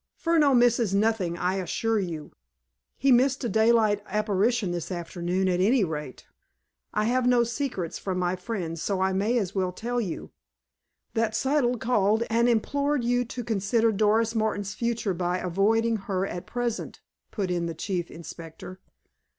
"Furneaux misses nothing, I assure you." "He missed a daylight apparition this afternoon, at any rate. I have no secrets from my friends, so I may as well tell you—" "That Siddle called, and implored you to consider Doris Martin's future by avoiding her at present," put in the Chief Inspector.